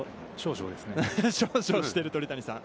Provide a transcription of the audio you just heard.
少々している鳥谷さん。